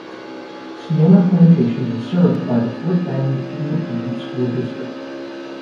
Sienna Plantation is served by the Fort Bend Independent School District.